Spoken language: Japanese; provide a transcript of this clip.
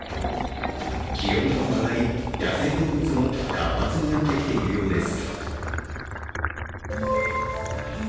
気温も上がり、野生動物も活発になってきているようです。